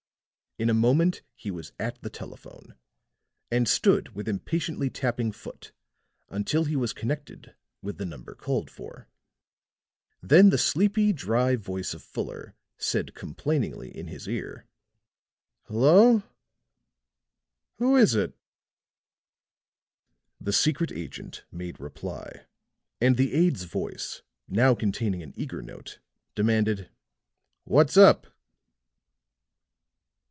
In a moment he was at the telephone, and stood with impatiently tapping foot until he was connected with the number called for; then the sleepy, dry voice of Fuller said complainingly in his ear: "Hello, who is it?" The secret agent made reply; and the aide's voice, now containing an eager note, demanded: "What's up?"